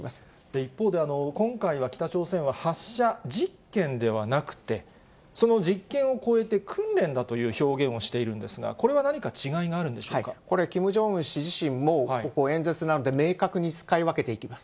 一方で、今回は、北朝鮮は発射実験ではなくて、その実験を超えて訓練だという表現をしているんですが、これは何これ、キム・ジョンウン氏自身も演説などで明確に使い分けています。